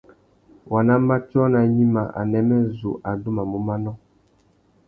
Waná matiō nà gnïmá, anêmê zu adumamú manô.